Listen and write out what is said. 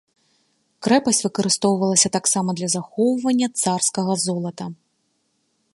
Крэпасць выкарыстоўвалася таксама для захоўвання царскага золата.